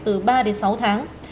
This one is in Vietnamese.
từ ba đến sáu tháng